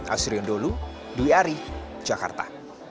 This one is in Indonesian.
asriun dulu dwi ari jakarta